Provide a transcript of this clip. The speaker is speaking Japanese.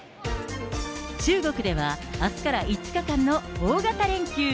中国ではあすから５日間の大型連休。